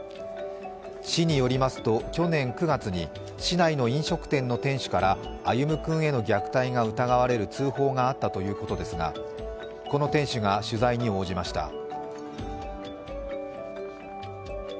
市によりますと、去年９月に市内の飲食店の店主から歩夢君への虐待が疑われる通報があったということですがこの店主が取材に応じました。